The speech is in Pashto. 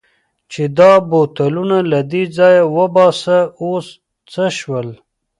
چې دا بوتلونه له دې ځایه وباسه، اوس څه شول؟